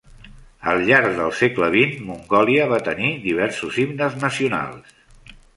Al llarg del segle XX, Mongolia va tenir diversos himnes nacionals.